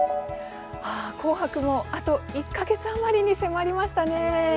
「紅白」もあと１か月あまりに迫りましたね。